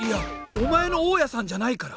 お前の大家さんじゃないから！